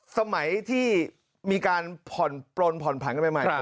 สมัยที่มีการผ่อนปลนผ่อนผันกันใหม่